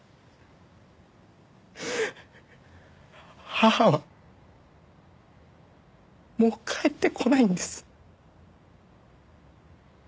母はもう帰ってこないんです。